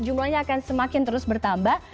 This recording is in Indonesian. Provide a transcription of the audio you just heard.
jumlahnya akan semakin terus bertambah